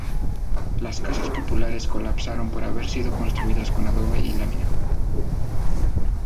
Las casas populares colapsaron por haber sido construidas con adobe y lámina.